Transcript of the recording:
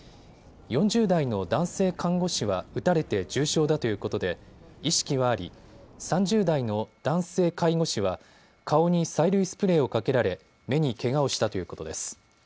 ４０代の男性看護師は撃たれて重傷だということで意識はあり、３０代の男性介護士は顔に催涙スプレーをかけられ目にけがをしたということです。